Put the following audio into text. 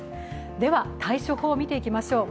では、対処法見ていきましょう。